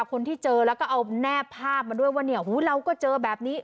คนที่เจอแล้วก็เอาแนบภาพมาด้วยว่าเนี่ยหูเราก็เจอแบบนี้